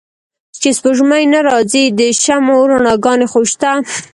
چې سپوږمۍ نه را ځي د شمعو رڼاګا نې خوشته